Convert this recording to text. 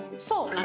そう。